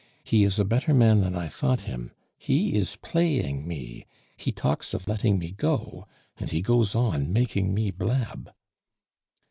"He is a better man than I thought him. He is playing me; he talks of letting me go, and he goes on making me blab."